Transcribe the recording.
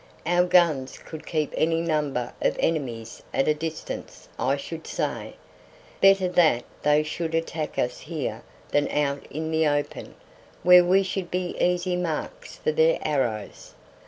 Our guns could keep any number of enemies at a distance, I should say. Better that they should attack us here than out in the open, where we should be easy marks for their arrows."